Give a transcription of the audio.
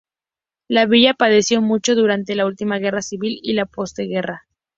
La villa padeció mucho durante la última Guerra Civil y la postguerra.